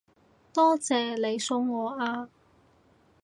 多謝你送我啊